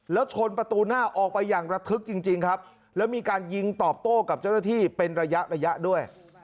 แล้วชนประตูหน้าออกไปอย่างระทึกจริงครับแล้วมีการยิงตอบโต้กับเจ้าหน้าที่เป็นระยะระยะด้วย